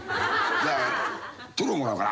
じゃあトロもらおうかな。